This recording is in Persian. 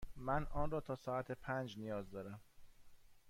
من آن را تا ساعت پنج نیاز دارم.